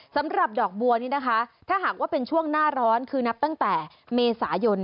สำหรับดอกบัวนี่นะคะถ้าหากว่าเป็นช่วงหน้าร้อนคือนับตั้งแต่เมษายน